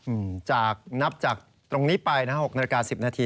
อืมจากนับจากตรงนี้ไปนะหลัก๖นาที